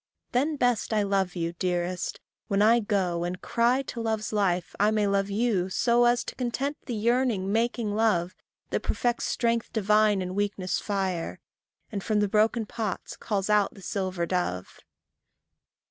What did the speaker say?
Then best I love you, dearest, when I go And cry to love's life I may love you so As to content the yearning, making love, That perfects strength divine in weakness' fire, And from the broken pots calls out the silver dove.